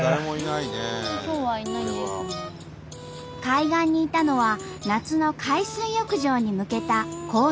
海岸にいたのは夏の海水浴場に向けた工事の人だけ。